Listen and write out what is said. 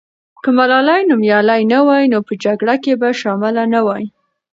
که ملالۍ نومیالۍ نه وای، نو په جګړه کې به شامله نه وای.